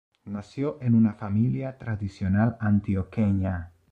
Nació en una familia tradicional antioqueña.